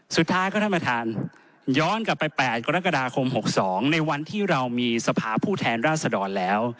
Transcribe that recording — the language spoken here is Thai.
สุดท้ายก็ท่านประธานย้อนกลับไป๘กรกฎาคม๖๒ในวันที่เรามีสภาผู้แทนราชดรแล้ว